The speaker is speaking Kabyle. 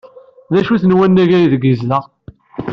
D acu n wannag aydeg yezdeɣ?